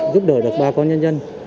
giúp đỡ được ba con nhân dân